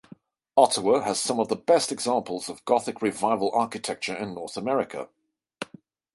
Ottawa has some of the best examples of Gothic Revival architecture in North America.